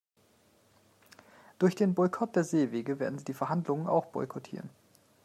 Durch den Boykott der Seewege werden sie die Verhandlungen auch boykottieren.